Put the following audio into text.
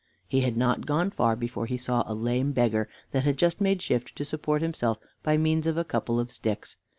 He had not gone far before he saw a lame beggar that had just made a shift to support himself by the means of a couple of sticks.